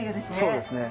そうですね。